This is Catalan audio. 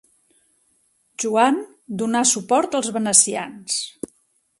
Joan donà suport als venecians.